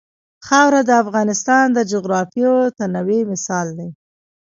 خاوره د افغانستان د جغرافیوي تنوع مثال دی.